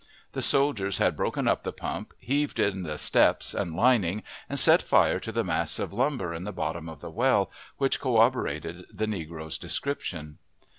The soldiers had broken up the pump, heaved in the steps and lining, and set fire to the mass of lumber in the bottom of the well, which corroborated the negro's description.